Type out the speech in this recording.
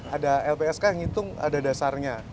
ada lpsk yang hitung ada dasarnya